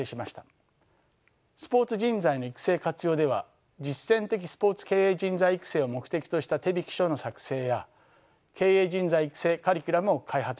スポーツ人材の育成・活用では実践的スポーツ経営人材育成を目的とした手引き書の作成や経営人材育成カリキュラムを開発しました。